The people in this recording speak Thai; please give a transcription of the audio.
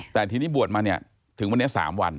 แต่ทีนี้บวชมาเนี่ยถึงวันนี้๓วัน